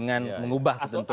yang mengubah kebentuknya